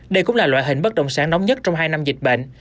đây cũng là loại hình bất động sản nóng nhất trong hai năm dịch bệnh